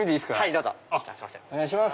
どうぞ。